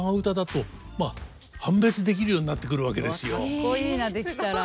かっこいいなできたら。